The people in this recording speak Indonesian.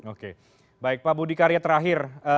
oke baik pak budi karya terakhir